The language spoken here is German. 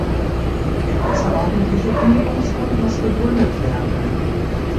Der außerordentliche Kündigungsgrund muss begründet werden.